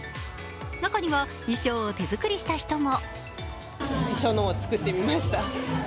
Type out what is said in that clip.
中には、衣装を手作りした人も。